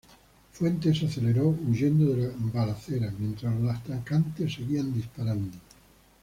Fuentes aceleró, huyendo de la balacera, mientras los atacantes seguían disparando.